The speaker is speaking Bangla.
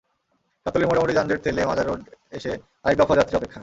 গাবতলীর মোটামুটি যানজট ঠেলে মাজার রোড এসে আরেক দফা যাত্রীর অপেক্ষা।